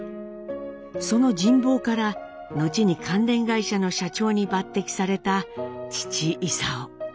その人望から後に関連会社の社長に抜てきされた父勲。